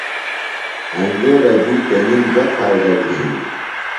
انگورہ دی تِنم گہ فائدہ گِھینوۡ؟